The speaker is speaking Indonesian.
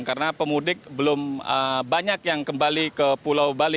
karena pemudik belum banyak yang kembali ke pulau bali